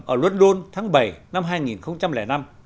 ở london tháng bảy năm hai nghìn năm